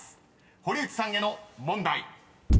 堀内さんへの問題］